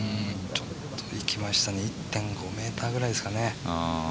ちょっと行きましたね、１．５ｍぐらいですかね。